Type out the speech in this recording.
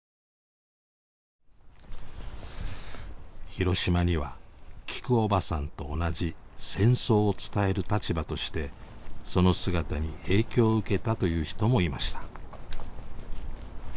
広島にはきくおばさんと同じ戦争を伝える立場としてその姿に影響を受けたという人もいました。